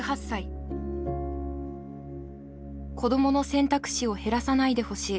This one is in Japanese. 「子どもの選択肢を減らさないでほしい。